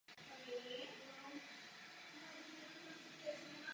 Působil na Kalifornské univerzitě v Berkeley a na Ohio State University.